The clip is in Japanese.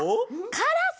カラス！